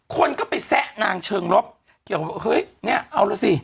คนก็ไปแสะงางเชิงรบเกี่ยวกับเฮ้ยเนี่ยเอาละสิ